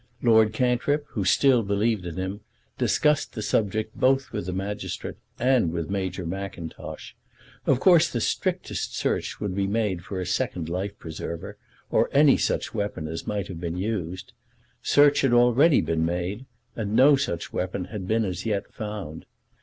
Lord Cantrip, who still believed in him, discussed the subject both with the magistrate and with Major Mackintosh. Of course the strictest search would be made for a second life preserver, or any such weapon as might have been used. Search had already been made, and no such weapon had been as yet found.